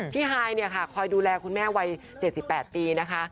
ฮายเนี่ยค่ะคอยดูแลคุณแม่วัย๗๘ปีนะคะ